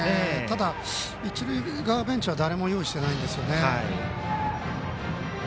ただ一塁側ベンチは誰も用意していないんですね。